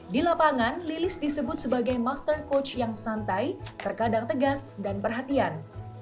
di lapangan lilis disebut sebagai master coach yang santai terkadang tegas dan perhatian